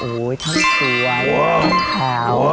โอ้ยทั้งสวนแผา